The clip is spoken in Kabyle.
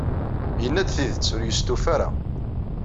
Yenna-d tidet, ur yestufi ara.